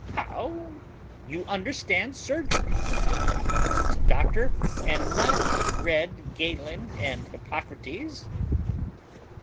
"How! you understand surgery," answers the doctor, "and not read Galen and Hippocrates?"